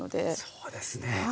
そうですね。